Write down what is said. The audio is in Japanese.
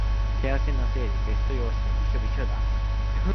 手汗のせいでテスト用紙がびしょびしょだ。